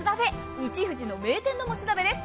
一藤の名店のもつ鍋です。